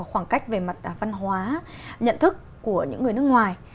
khoảng cách về mặt văn hóa nhận thức của những người nước ngoài